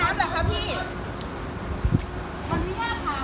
ไปเข้าด้วยเลยไหมห้องน้ำ